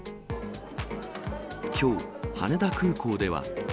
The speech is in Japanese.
きょう、羽田空港では。